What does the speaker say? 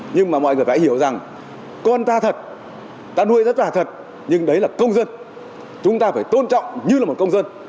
nhưng đấy là công dân chúng ta phải tôn trọng như là một công dân